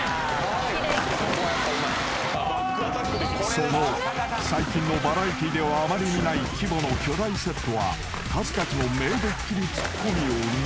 ［その最近のバラエティーではあまり見ない規模の巨大セットは数々の名ドッキリツッコミを生んだ］